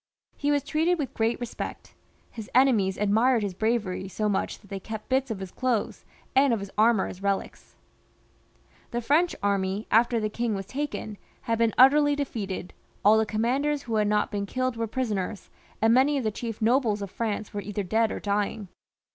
He was treated with great respect ; his enemies admired his bravery so much, that they kept bits of his clothes and of his armour as relics. The French army, after the king was taken, had been utterly defeated, all the commanders who had not been killed were prisoners, and many of the chief nobles of France were either dead or dying.